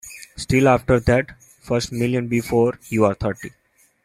Still after that first million before you're thirty.